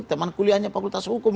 teman kuliahnya fakultas hukum